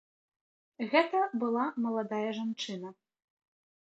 Гэта была маладая жанчына.